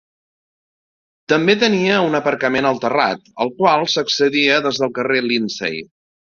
També tenia un aparcament al terrat al qual s'accedia des del carrer Lindsay.